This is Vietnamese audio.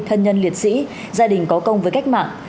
thân nhân liệt sĩ gia đình có công với cách mạng